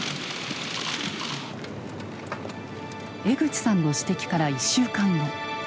江口さんの指摘から１週間後。